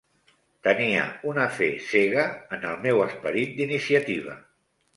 Tenia una fe cega en el meu esperit d'iniciativa.